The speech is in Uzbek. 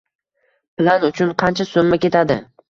Plan uchun qancha soʼmma ketadi?